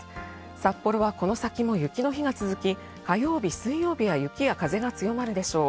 札幌はこの先も雪の日が続き、火曜日、水曜日は雪や風が強まるでしょう。